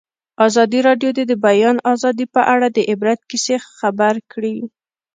ازادي راډیو د د بیان آزادي په اړه د عبرت کیسې خبر کړي.